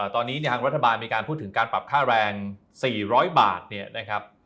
ตอนนี้ทางรัฐบาลมีการพูดถึงการปรับค่าแรง๔๐๐บาทเนี่ยนะครับ